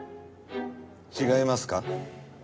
違いますか？